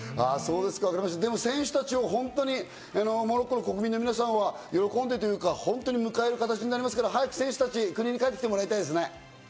選手たち、本当にモロッコの国民の皆さんは喜んでというか、迎える形になりますから、早く選手たちに国に帰ってきてもらいたいですね。